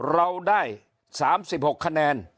เราได้๓๖คะแนน